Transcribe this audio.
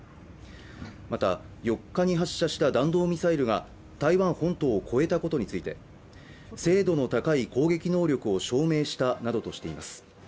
また、４日に発射した弾道ミサイルが台湾本島を越えたことについて、精度の高い攻撃能力を証明したなどとしています。